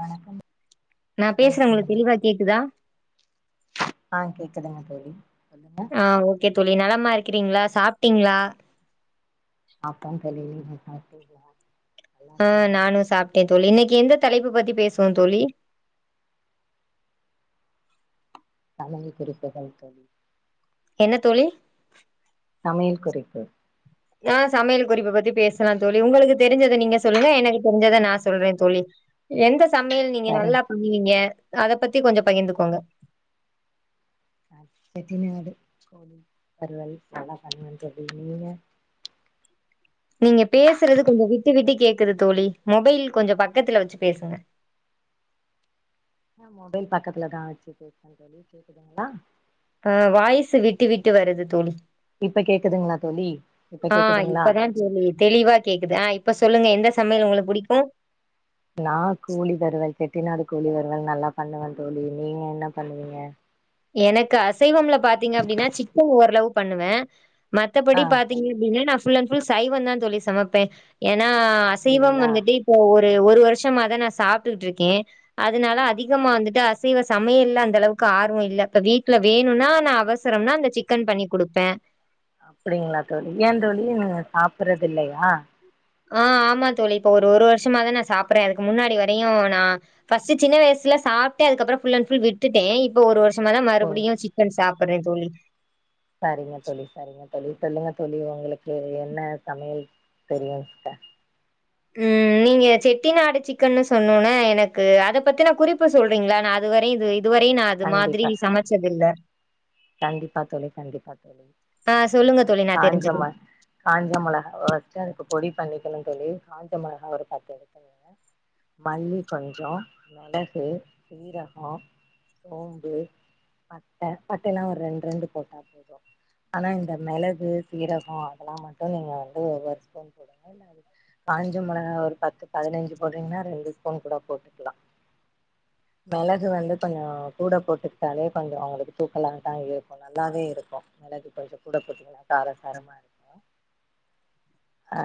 வணக்கம் நா நல்லா பேசுறன் உங்களுக்கு இருக்கீங்களா தெளிவா கேக்குதா ஆஹ் கேக்குதுங்க தோழி சொல்லுங்க ஆஹ் ஓக்கேத் தோழி நலமாயிருக் ருக்கிறீங்ளா சாப்ட்டீங்ளா ஆப்போம் [unintelligible] நீங்க சாப்டிங்களா ஆஹ் நானு சாப்ட்டேன் தோழி இன்னைக்கு எந்த தலைப்புப் பத்திப் பேசுவோம் தோழி சமையல் குறிப்புகள் தோழி என்னத் தோழி சமையல் குறிப்பு ஆஹ் சமையல் குறிப்புப் பத்தி பேசலான் தோழி உங்களுக்கு தெரிஞ்சத நீங்க சொல்லுங்க எனக்கு தெரிஞ்சத நா சொல்றேன் தோழி எந்த சமையல் நீங்க சரி நல்லாப் பண்ணுவீங்க அதப் பத்திக் கொஞ்ச பகிர்ந்துக்கோங்க செட்டிநாடு கோழி வருவல் நல்லாப் பண்ணுவன் தோழி நீங்க நீங்க பேசுறதுக் கொஞ்சோம் விட்டு விட்டுக் கேக்குது தோழி மொபைல் கொஞ்சோம் பக்கத்துல வச்சுப் பேசுங்க ந மொபைல் பக்கத்துலதான் வச்சு பேசுறன் தோழி கேக்குதுங்ளா ஆஹ் வாய்சு விட்டு விட்டு வருது தோழி இப்ப கேக்குதுங்களா தோழி இப்ப ஆஹ் கேக்குதுங்களா இப்பதான் தோழி தெளிவா கேக்குது ஆஹ் இப்ப சொல்லுங்க எந்த சமையல் உங்களுக்கு புடிக்கும் நா கோழி வருவல் செட்டி நாடு கோழிவறுவல் நல்லா பண்ணுவேன் தோழி நீங்க என்ன பண்ணுவீங்க எனக்கு அசைவம்ல பாத்தீங்க அப்படின்னா சிக்கன் ஓரளவு பண்ணுவேன் மத்தபடி ஆ பாத்தீங்க சரி அப்படினா நான் ஃபுல் அண்ட் ஃபுல் சைவம் தான் தோழி சமப்பேன் ஏன்னா அசைவம் அப்டிங்களா வந்துட்டு இப்போ ஒரு ப்போ ஒரு வருஷமா தான் சாப்டுட்டு இருக்கேன் அதனால அதிகமா வந்துட்டு அசைவ சமையல் இல்ல அந்த அளவுக்கு ஆர் ர்வம் இல்ல இப்ப வீட்டுல வேணும்னா நான் அவசரம்னா அ அப்படிங்களா தோழி ஏன் தோழி நீங்க சாப்டுறது இல்லையா ஆஹ ஆமா தோழி இப்ப ஒரு ஒரு வருஷமா தான் நான் சாப்புறேன் அதுக்கு முன்னாடி வரையும் நான் ஃபர்ஸ்ட் சின்ன வயசுல சாப்டேன் அதுக்கப்புறோ ஃபுல் அண்ட் ஃபுல் விட்டுட்டேன் இப்ப ஒரு வருஷம் ம்மதான் மறுபடியும் சிக்கன் சாப் வரேன் தோழி செரிங்க தோழி செரிசங்க தோழி சொல்லுங்க தோழி உங்களுக்கு என்ன சமையல் தெரியும் ட்ட உம் நீங்க செட்டி நாடு சிக்கன்னு சொன்னோனே எனக்கு அத பத்தின குறிப்பு சொல்றீங்களா நான் அதுவரையும் இது வெய் இதுவரையும் நான் அது மாதிரி கண்டிப்பா சமைச்சதுயில்ல கண்டிப்பா தோழி கண்டிப்பா தோழி ஆ நீங்க சொல்லுங்க தோழி அந்த நா காஞ்ச ம தெரிஞ்சுக்கிறே. காஞ்ச மொளகா வச்ச அது பொடி பண்ணிக்கணும்னு தோழி கஞ்சா மொளகா ஒரு பத்து எடுத்துங்கங்க மல்லி கொஞ்சோ மிளகு சீரகம் சோம்பு பட்ட பட்டயிலா ஒரு ரெண்டு ரெண்டு போட்டா போதும் ஆனா இந்த மிளகு சீரகம் அதெல்லா மட்டும் நீங்க வந்து ஒவ்வொரு ஸ்பூன் போடன்னு இல்ல அது காஞ்ச மொளகா ஒரு பத்து பதினஞ்சு போடுறீங்கன்னா ரெண்டு வொன் கூட போட்டுக்கலா மிளகு வந்து கொஞ்சோ கூட போட்டுக்கிட்டாலே கொஞ்சோ அவங்களுக்கு தூக்கலா தான் இருக்கும் நல்லாவே இருக்கும் மிளகு கொஞ்சோ கூட போட்டுக்கன்னா காரசாரமா இருக்கும் ஆ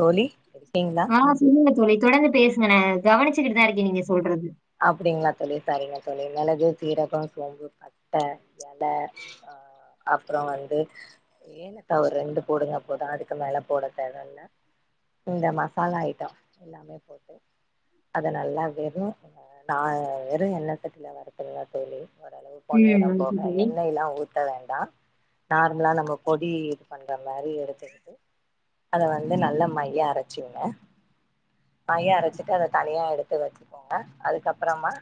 தோழி இருக்கீங்களா ஆ சொல்லுங்க தோழி தொடர்ந்து பேசுங்க நா கவனச்சுக்கிட்டுதான் இருக்கேன் நீங்க சொல்றது அப்படிங்களா தோழி செரிங்க தோழி மிளகு சீரகம் சோம்பு பட்ட இல ஆ அப்புறோ வந்து ஏலக்கா ஓரு ரெண்டு போடுங்க போதும் அதுக்கு மேல போட தேவையில்ல இந்த மசாலா ஐட்டம் எல்லாமே போட்டு அத நல்லா வெறும் ன்ன நா வெறும் எண்ணசட்டில வருத்துருவ தோழி ஓரளவு ம் பொன்னிரம் ஓகே போக தோழி. எண்ணெயெல்லாம் ஊத் பட்ட வேண்டாம் நார்மலா நம்ம பொடி யூஸ் பண்ற மாறி எடுத்துக்கிட்டு அத வந்து நல்லா மைய அரைச்சிங்க மைய அரைச்சிட்டு அத தனியா எடுத்து வச்சுக்கோங்க அதுக்கப்புறமா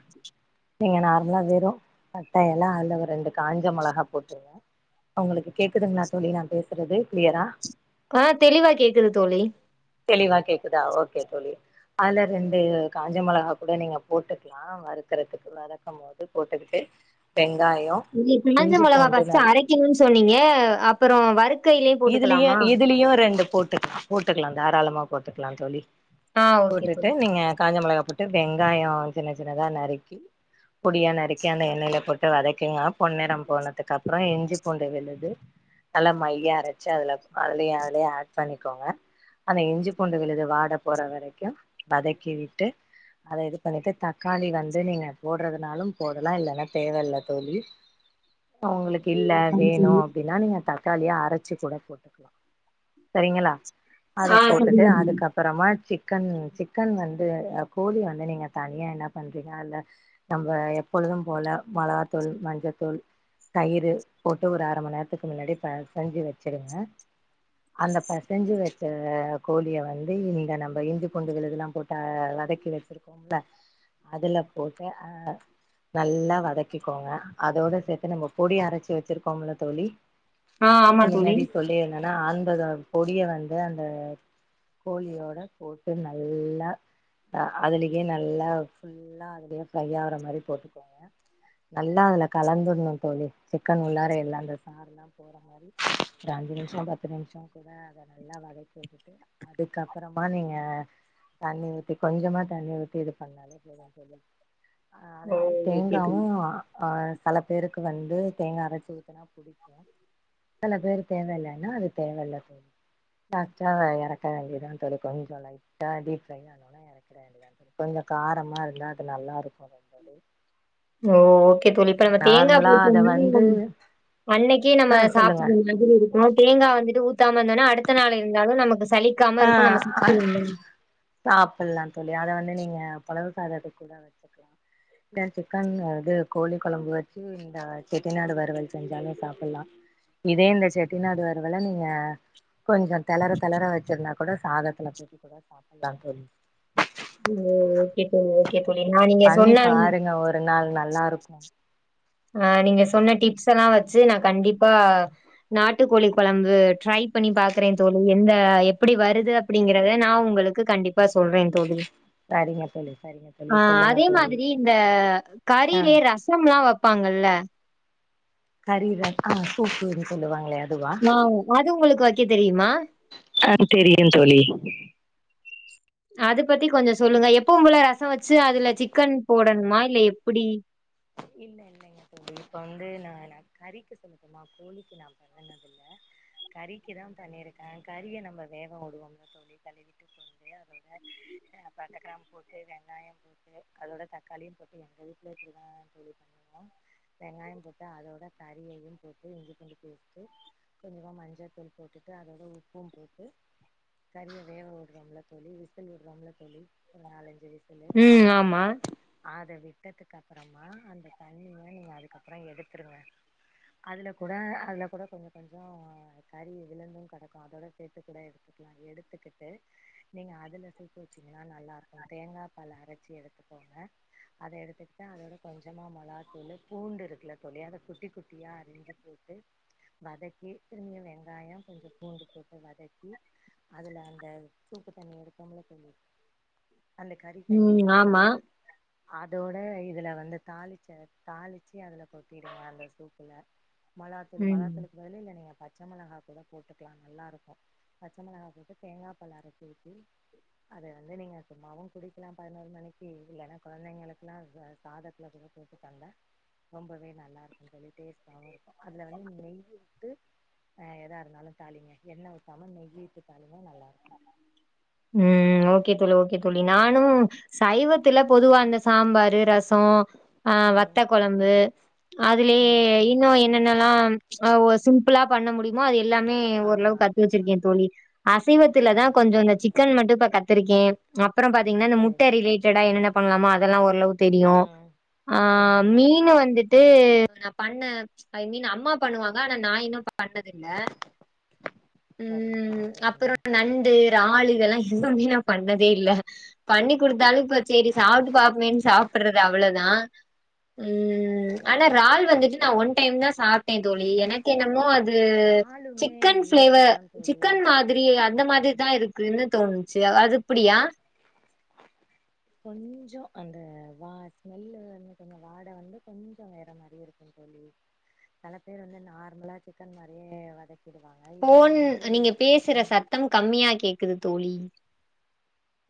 நீங்க நார்மலா வெறும் பட்ட இல அதுல ஒரு ரெண்டு காஞ்ச மொளகா போட்டிருங்க உங்களுக்கு கேக்குதுங்கன்னா தோழி நான் பேசுறது கிளியரா ஆ தெளிவா கேக்குது தோழி தெளிவா கேக்குதா ஓகே தோழி அதுல ரெண்டு காஞ்ச மொளகா கூட நீங்க போட்டுக்கலா வறுக்கறதுக்கு வறக்கும் போது போட்டுக்கிட்டு வெங் நீ காஞ்ச மொளகா ஃபர்ஸ்ட்டு அரைக்கணும்னு சொன்னீங்க அப்புறோ வருக் இதுலயு இதுலயு ரெண்டு போட்டுக்கோ போட்டுக்கலாம் தாராளமா போட்டுக்கலாம் தோழி ஆ ஓகே போட்டுட்டு தோழி. நீங்க காஞ்ச மொளகா போட்டு வெங்காயம் சின்ன சின்னதா நறுக்கி பொடியா நறுக்கி அந்த எண்ணெயில போட்டு வதக்கினா பொன்னிறம் போனதுக் அப் அப்புறம் இஞ்சி பூண்டு விழுது நல்லா மையா அரச் பச்சா இல அதுல அதுல ஆட் பண்ணிக்கோங்க அந்த இஞ்சி பூண்டு விழுது வாட போற வரைக்கும் வதக்கி விட்டு அதை இது பண்ணிட்டு தக்காளி வந்து நீங்க போடுறதுனாலும் போடலாம் இல்லைன்னா தேவ இல தோழி அவங்களுக்கு இல்ல ம். சரி தோழி. வேணும் அப்படின்னா நீங்க த தக்காளியை அரைச்சு கூட போட்டுக்கலாம் சரிங்களா அத ஆ போட்டுட்டு சரிங்க தோழி. அதுக்கு அப்புறமா சிக் சிக்கன் சிக்கன் வந்து கோழி வந்து நீங்க தனியா என்ன பண்றீங்க அதுல நம்ம எப்பொழுதும் போல மிளகாத்தூள் மஞ்சத்தூள் தயிறு போட்டு ஒரு அர மணி நேரத்துக்கு முன்னாடி செஞ்சு வச்சுக்க வெச்சிடுங்க அந்த பெசஞ்சு வச்ச கோழிய வந்து இங்க நம்ம இஞ்சி பூண்டு விழுது எல்லாம் போட் ஆ வதக்கி வச்சிருக்கோம்ல அதுல போட்டு அ நல்லா வதக்கிக்கோங்க அதோட சேர்த்து நம்ம பொடி அரச்சி வெச்சி இருக்கிறோம் ல தோழி ஆ ஆமா தோழி. முன்னாடி சொல்லி இருந்தநா [unintelligible] பொடியை வந்து அந்த கோழியோட போட்டு நல்லா அதுலயே நல்லா ஃபுல்லா அதுலேயே ஃப்ரை ஆகிற மாரி போட்டுக்கோங்க நல்லா அதில் கலந்துடணும் தோழி சிக்கன் உள்ளார எல்லாம் அந்த சாறுெலாம் போகிற மாதிரி ஒரு அஞ்சு நிமிசம் த்து நிமிஷம் கூட அதை நல்லா வதைக்கி விட்டுட்டு அதுக்கப்புறமா நீங்க தண்ணி ஊத்தி கொஞ்சமா தண்ணி ஊத்தி இது பன்னாலே போதும் ஓ தோழிஅதே மாதிரி ஓகே தோழி. தேங்காவூம் ஹ் பல பேருக்கு வந்து தேங்கா அரைச்சு ஊத்தனா புடிக்கும் [unintelligible] இல்லனா அது தேவையில்லை தோழி லாஸ்ட்டா எறக்க வேண்டியதான் தோழி கொஞ்சம் லைட்டா டீப் ஆனும்னா இறக்க வேண்டிய த கொஞ்சம் காரமா இருந்தா அது நல்லா இருக்கும் ஓ ஓகே நீங்க புளிப்பு டே நார்மலா நாட்டு அத வந்து அன்னைக்கே நம்ம ஆ சொல்லுங்க சாப்பிட்டோம் [unintelligible] இருக்கா தேங்காய் வந்து இது ஊத்தாம இருந்தாலும் அடுத்த நாள் இருந்தாலும் நமக்கு சலிக்காம ஆ இருக்கும். நம்ம சாப்பிடுவோம். சாப்புடலாம் தோழி அத வந்து நீங்க பளவு சாத கூட வச்சுக்கலாம் இல்ல சிக்கன் இது கோழி குழம்பு வச்சு இந்த செட்டிநாடு வறுவல் செஞ்சாலும் சாப்புடலாம் இதே இந்த செட்டிநாடு வறுவலை நீங்க கொஞ்சம் தளற தளற வச் சரிஅப்பனா சாதத்தில் பிசைஞ்சு கூட சாப்பிடலாம் சொல்லு ஓகே போலி ஓகே போலி நான் உன்ன பண்ணி சொன்னாலும் பாருங்க ஒரு நாள் நல்லா இருக்கு ஆ நீங்க சொன்ன டிப்ஸ் லாம் எல்லாம் வெச்சு நான் கண்டிப்பா நாட்டுக்கோழி குழம்பு ட்ரை பண்ணி பாக்கறேன் தோழி என்ன எப்படி வருது அப்படிங்கரதா நான் உங்களுக்கு கண்டிப்பா சொல்றேன் தோழி சரிங்க தோழி சரிங்க தோழி ஆ சொல்லுங்க அதே தோழி மாதிரி இந்த ஆ கரியீல ரசம் எல்லாம் வைப் ல கரி ரசம் சூப்புன்னுசொல்லுவாங்களே அ அது உங்களுக்கு வைக்க தெரியுமா ஆ தெரியு தோழி அது பத்தி கொஞ்சோ சொல்லுங்க எப்பவும் போல ரசோ வெச்சு அதுல சிக்கன் போடண்ணும்மா இல்ல எப்டி இல்ல இல்லைங்க தோழி இப்ப வந்து நா-நா கறிக்கு சொல்லட்டுமா கோழிக்கு நா பண்ணதுல்ல கறிக்கிதா பண்ணிருக்கே கறிய நம்ம வேக விடுவோம்ல தோழி கழுவிட்டு போது [inaudible] அ படடக்ராம் போட்டு வெங்காயோ போட்டு அதோட தக்காளியுபோட்டு எங்க வீட்ல இப்டிதா தோழி பண்ணுவோ வெங்காயோ போட்டு அதோட கறியயு போட்டு இஞ்சி புண்டு பேசட்டு கொஞ்சமா மஞ்சத்தூள் போட்டுட்டு அதோட உப்பும் போட்டு கறியை வேவ விடுறோம்ல தோழி விசில் விடுறோம்ல தோழி ஒரு நாலஞ்சு விசிலு ம் ஆமா ஆதவி கட்டத்துக்கு அப்பறம் [unintelligible] அந்த தண்ணிய நீங்க அதுக்கப்றோ எடுத்துருங்க அதல கூட அதல கூட கொஞ்சோ கொஞ்சோ கறி விழுந்து கடக்கு அதோட சேர்த்து கூட எடுத்துக்கலா எடுத்துக்கிட்டு நீங்கள் அதில் சூப்பு வச்சீங்கன்னா நல்லா இருக்கு தேங்கா பால் அரச்சி எடுத்துகோங்க அத எடுத்துக்கிட்டு அதோட கொஞ்சமா மெளத்தூளு பூண்டு இருக்குல தோழி அத குட்டி குட்டியா அரிஞ்சு போட்டு வதக்கி திரும்மியு வெங் காயம் கொஞ்சோ பூண்டு போட்டு வதக்கி அதுல அந்த சூப்பு தண்ணி எடுத் தொம்ல தோழி அந்த கறி தண்ணி ம் ஆமா எடுத்தோம்ல அதோட இதுல வந்து தாளிச்ச தாளிச்சு அதுல கொட்டிடுங்க அந்த சூப்புல மொளகாத்தூள் ம் மொளகாத்தூளுக்கு பதிலு [unintelligible] நீங்க பா பச்ச மொளகா கூடப் போட்டுக்கலா நல்லருக்கு பச்ச மொளகா போட்டு தேங்கா பால் அரச்சி வச்சு அத வந்து நீங்க சும்மாவு குடிக்கலா பதினோரு மணிக்கு இ இல்லேன்னா கொழந்தைங்களுக்கெல்லா [unintelligible] சாதா [unintelligible] கூட போட்டு தந்த ரொம்பவே நல்லாருக்கு தோழி டேஸ்ட் தாவுருக்கு அதுல வந்து நெய்யுட்டு ஆஹ் எதா இருந்தாலு தாளிங்க எண்ணெ ஊத்தமா நெய்ட்டு உம் ஓகே தோழி ஓகே தோழி நானு சைவத்துல பொதுவா அந்த சாம்பாரு ரஸ் சோ அ வத்த ம் கொழம்பு ம் அதுலயே ம் ம் இன்னு என்னென்னல்லா ஒ சிம்பிளா பண்ண முடியுமோ அது எல்லாமே ஆமா ஓரளவுக்கு கத்து வச்சிருக்கே தோழி அசைவத்துல தா சரிங்க கொஞ்சோ தோழி இந்த சிக்கன் மட்டு இப்ப கத் வச்சிருக்கே அப் அப்றோ பாத்தீங்கன்னா இந்த முட்ட சரிங்க தோழி ரிலேட்டடா என்னென்ன பண்ணலாமோ அதெல்லா ஓரளவு தெரியு ம் அ ம் ம் மீனு ம் வந்துட்டு நா பண்ணே ஐ மீன் அம்மா பண்ணுவாங்க ஆனா நா இன்னு பண்ணதில்ல சரிங்க தோழி ம் சரிங்க அப்றோ நண்டு ரால்லு இதெல்லா எதுவுமே நா பண்ணதே இல்ல பண்ணி்க் குடுத்தாலு இப்ப செரி சாப்ட்டு பாப்போமேன்னு சாப்பிடறது அவ்ளோவுதா ம் ஆனா அப்டிங்களா ரால் சரிங்க வந்துட்டு நா தோழி ஒன் சரி டைம் தா சாப்ட்டே தோழி எனக்கு என்னமோ அது இறாலுமே சிக்கன் ஈஸி ஃபிளேவர் தா தோழி சிக்கன் மாத் அந்த மாதிரிதா இருக்குன்னு தோணுச்சு அது இப்புடியா கொஞ்சோ அந்த வா ஸ்மெல்லு வந்து கொஞ்சோ வாட வந்து கொஞ்சோ வேற மாரி இருக்கும் தோழி சல பேர் வந்து நார்மலா சிக்கன் மாரியே வதக் போன் நீங்க பேசுற ம் சத்தம் கம்மியா கேக்குது தோழி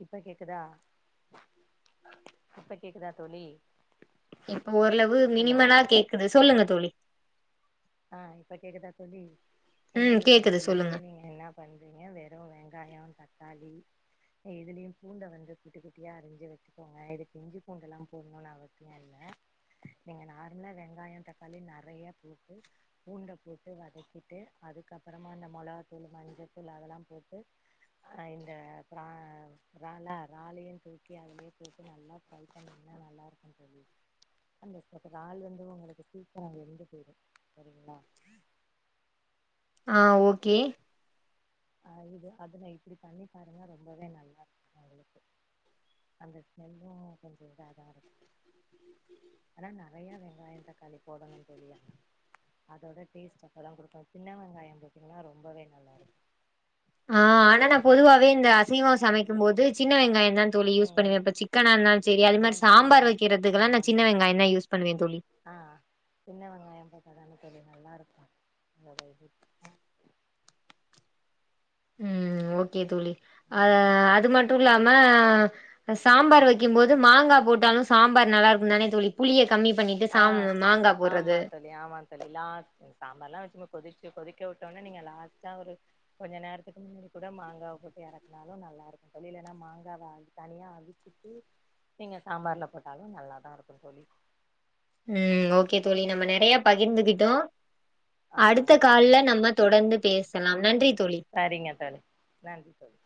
இப்ப கேக்குதா இப்ப கேக்குதா தோழி இப்ப ஓரளவு ஹலோ மினிமலா கேக்குது சொல்லுங்க தோழி ஆஹ் இப்ப கேக்குதா தோழி ம் ஒண்ணுல்ல தோழி கேக்குது சொல்லுங்க இதுலயே நீங்க என்னா பண்றீங்க வெறு வெங்காயோ தக் தக்காளி இதுலயு பூண்ட வந்து குட்டி குட்டியா அரிஞ்சு வச்சுக்கோங்க இது பிஞ்சி பூண்ட எல்லா போடணுனு அவசியல்ல நீங்க நார்மலா வெங்காயம் தக்காளி நெறைய பூண்டபோட்டு வதக்கிட்டு அதுக்கப்புறமா அந்த மொளகாத்தூள் மஞ்சள்தூள் அதெல்லா போட்டு அஹ் இந்த ப்ரா றால றாலையு தூக்கி அதுலயே போட்டு நல்லா ஃப்ரை பண்ணின்னா நல்லா இருக்கு தோழி அந்த றாலு வந்து உங்களுக்கு சீக்கிரம் வெந்து போயிடு சரிங்களா ஆஹ் ஓகே ஆஹ் இது அது நா இப்டி பண்ணி பாருங்க ரொம்பவே நல்லா இருக்கு உங்களுக்கு அந்த ஸ்மெல்லு கொஞ்சம் இதாதா இருக் அதான் நிறைய வெங்காயம் தக்காளி போடணு தோழி அதோட டேஸ்ட் அப்பதா கொடுக்கும் சின்ன வெங்காயம் போட்டிங்கன்னா ரொம்பவே நல்லா இருக்கு ஆஹ் ஆனா நா பொதுவாவே இந்த அசைவம் சமைக்கும் போது சின்ன வெங்காயம் இதா தோழி யூஸ் ம் பண்ணுவே இப்ப சிக்கனா இருந்தாலு சரி அது அதா மாரி தே சாம்பார் வைக்கிறதுக்குல்லா நா ஆமா சின்ன தோழி வெங்காயந்தா யூஸ் பண்ணுவே தோழி ஆ சின்ன வெங்காயம் [unintelligible] நல்லாருக்கு [unintelligible] ம் ஓகே தோழி ம் அஹ் அது மட்டும் ஓகே இல்லாம சாம்பார் வைக்கும்போது மாங்கா போட் டாலு சாம்பார் நல்லா இருக்குந்தானே தோழி புளிய கம்மி பண்ணிட்டு சாம் ஆஹ் மாங்கா போடுறது. ஆமான் தோழி ஆமா தோழி லாஸ்ட் சாம்பார்ல்லா வச்சு கொதிக்க கொதிக்க விட்டோனே நீங்க லாஸ்ட்டா ஒரு கொஞ்சம் நேரத்துக்கு முன்னாடி கூட மாங்காவ போட்டு எறக்குனாலு நல்லா இருக்கும் தோழி இல்லனா மாங்காவ அ தனியா அவிச்சிட்டு நீங்க சாம்பார்ல போட்டாலும் நல்லாதா இருக்கு தோழி ம் ஓகே தோழி நம்ம நெறைய பகிர்ந்துகிட்டோ அடுத்த ஆமாங்க தோழி கால்ல நம்ம தொடர்ந்து பேச சலா நன்றி தோழி. சரிங்க தோழி நன்றி தோழி